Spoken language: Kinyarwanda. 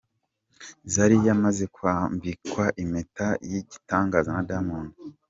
Zari yamaze kwambikwa impeta y’igitangaza na Diamond.